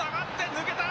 抜けた。